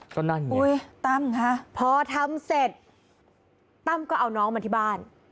ก็นั่นไงอุ้ยตั้มค่ะพอทำเสร็จตั้มก็เอาน้องมาที่บ้าน